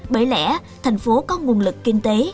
bởi lẽ thành phố có nguồn lực kinh tế